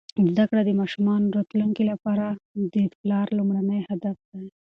زده کړه د ماشومانو راتلونکي لپاره د پلار لومړنی هدف دی.